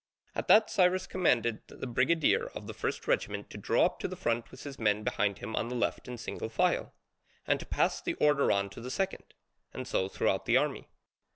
At that Cyrus commanded the brigadier of the first regiment to draw up to the front with his men behind him on the left in single file, and to pass the order on to the second, and so throughout the army.